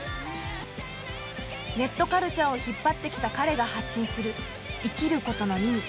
ネットカルチャーを引っ張ってきた彼が発信する生きることの意味